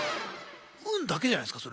運だけじゃないすか？